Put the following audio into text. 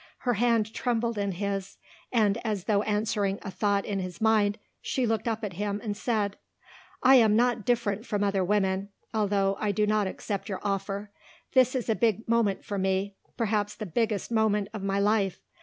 Her hand trembled in his and as though answering a thought in his mind she looked up at him and said, "I am not different from other women, although I do not accept your offer. This is a big moment for me, perhaps the biggest moment of my life.